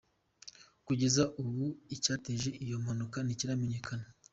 Kugeza ubu icyateje iyo mpanuka ntikiramenyekana.